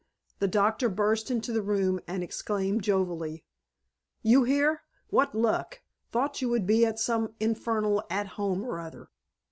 The Doctor burst into the room and exclaimed jovially: "You here? What luck. Thought you would be at some infernal At Home or other.